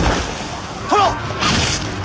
殿！